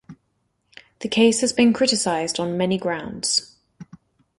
The case has been criticized on many grounds.